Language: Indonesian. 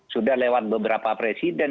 sudah lewat beberapa presiden